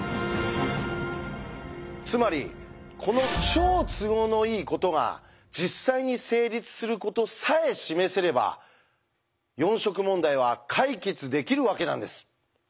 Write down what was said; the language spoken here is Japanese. つまりこの超都合のいいことが実際に成立することさえ示せれば四色問題は解決できるわけなんです。